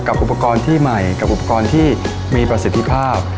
อุปกรณ์ที่ใหม่กับอุปกรณ์ที่มีประสิทธิภาพ